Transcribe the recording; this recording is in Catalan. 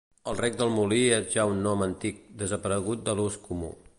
El Rec del Molí és ja un nom antic, desaparegut de l'ús comú.